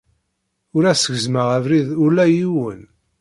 Ur as-gezzmeɣ abrid ula i yiwen.